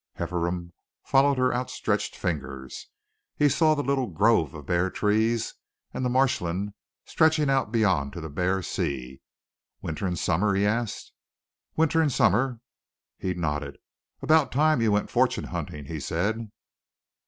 Hefferom followed her outstretched finger. He saw the little grove of bare trees, and the marshland stretching out beyond to the bare sea. "Winter and summer?" he asked. "Winter and summer." He nodded. "About time you went fortune hunting!" he said.